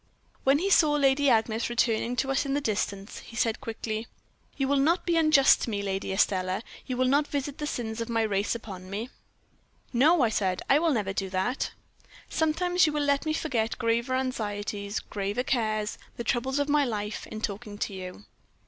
"When he saw Lady Agnes returning to us in the distance, he said, quickly: "'You will not be unjust to me, Lady Estelle you will not visit the sins of my race on me?' "'No,' I said, 'I will never do that.' "'Sometimes you will let me forget graver anxieties, graver cares, the troubles of my life, in talking to you?'